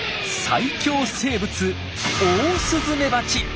最強生物オオスズメバチ。